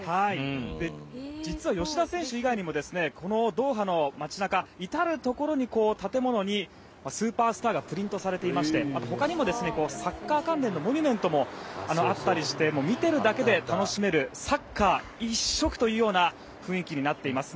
実は吉田選手以外にもこのドーハの街中至るところの建物にスーパースターがプリントされていましてほかにもサッカー関連のモニュメントもあったりして見てるだけで楽しめるサッカー一色となっています。